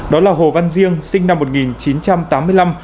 đó là hồ văn riêng sinh năm một nghìn chín trăm tám mươi năm